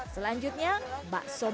selanjutnya bakso malam